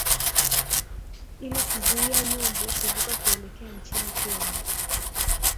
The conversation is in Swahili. ili kuzuia nyumbu kuvuka kuelekea nchini Kenya